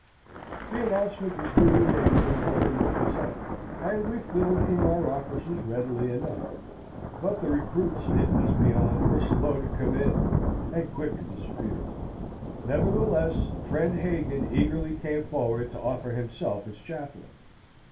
The announcement was duly made in the Government Gazette, and we filled in our officers readily enough; but the recruits, it must be owned, were slow to come in, and quick to disappear. Nevertheless, friend Hagan eagerly came forward to offer himself as chaplain.